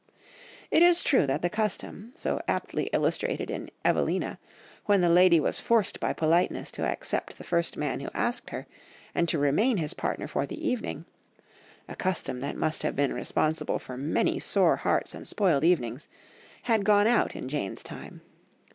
It is true that the custom, so aptly illustrated in Evelina, when the lady was forced by politeness to accept the first man who asked her, and to remain his partner for the evening, a custom that must have been responsible for many sore hearts and spoiled evenings, had gone out in Jane's time.